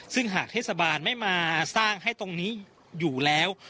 ซึ่งหากเทศบาลไม่มาสร้างให้ตรงนี้อยู่แล้ว